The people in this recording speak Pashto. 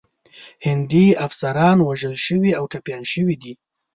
هندي افسران وژل شوي او ټپیان شوي دي.